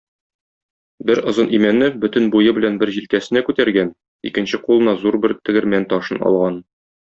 Бер озын имәнне бөтен буе белән бер җилкәсенә күтәргән, икенче кулына зур бер тегермән ташын алган.